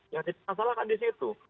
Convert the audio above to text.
yang tidak salah kan di situ